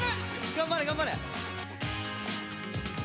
頑張れ頑張れ。